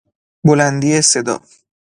بلندی صدا